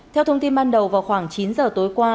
theo thông tin ban đầu vào khoảng chín giờ tối qua